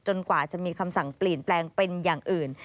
กว่าจะมีคำสั่งเปลี่ยนแปลงเป็นอย่างอื่น